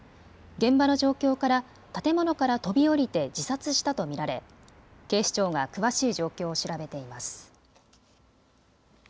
現場の状況から建物から飛び降りて自殺したと見られ警視庁が詳しい状況を調べています。